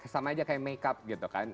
sama aja kayak makeup gitu kan